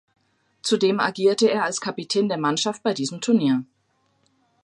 Zudem agierte er als Kapitän der Mannschaft bei diesem Turnier.